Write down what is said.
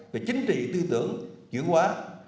về chính trị tư tưởng chuyển hóa